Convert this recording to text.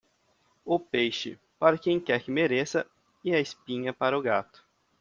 O peixe, para quem quer que mereça, e a espinha para o gato.